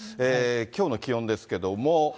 きょうの気温ですけども。